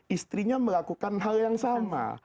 istrinya melakukan hal yang sama